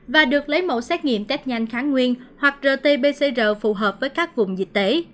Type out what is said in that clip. và được lấy mẫu xét nghiệm test nhanh kháng nguyên hoặc rt pcr phù hợp với các vùng dịch tế